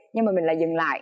nhưng mà mình lại dừng lại